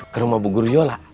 ke rumah bu guru yola